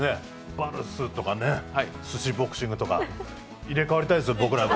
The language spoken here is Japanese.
バルスとか、すしボクシングとか、入れ替わりたいですよ、僕らも。